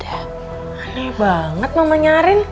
aneh banget mama nyarin